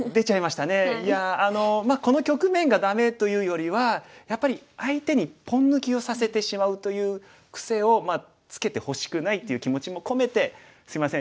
いやこの局面がダメというよりはやっぱり相手にポン抜きをさせてしまうというクセをつけてほしくないっていう気持ちも込めてすいません